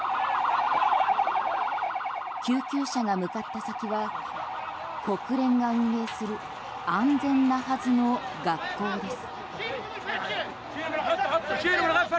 救急車が向かった先は国連が運営する安全なはずの学校です。